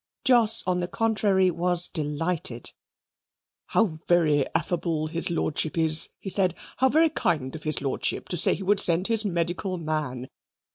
Jos, on the contrary, was delighted. "How very affable his Lordship is," he said; "How very kind of his Lordship to say he would send his medical man!